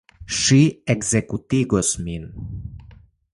Ŝi ekzekutigos min.